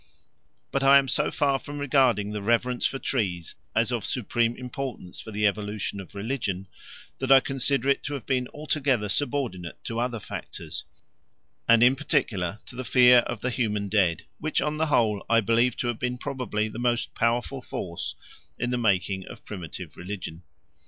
But I am so far from regarding the reverence for trees as of supreme importance for the evolution of religion that I consider it to have been altogether subordinate to other factors, and in particular to the fear of the human dead, which, on the whole, I believe to have been probably the most powerful force in the making of primitive religion.